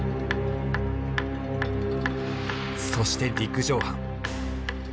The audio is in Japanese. そして陸上班。